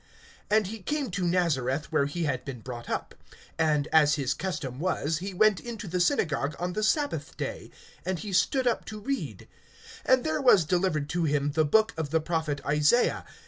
(16)And he came to Nazareth, where he had been brought up. And, as his custom was, he went into the synagogue on the sabbath day; and he stood up to read. (17)And there was delivered to him the book of the prophet Isaiah.